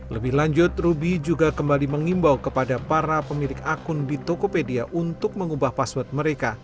lebih lanjut ruby juga kembali mengimbau kepada para pemilik akun di tokopedia untuk mengubah password mereka